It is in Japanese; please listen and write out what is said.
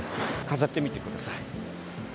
飾ってみてください。